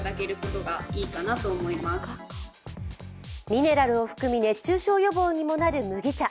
ミネラルを含み熱中社予防にもなる麦茶。